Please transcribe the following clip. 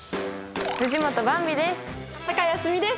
藤本ばんびです。